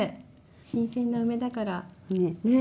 新鮮な梅だから。ね！